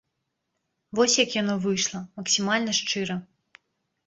Вось як яно выйшла, максімальна шчыра.